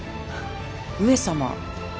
上様。